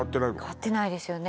変わってないですよね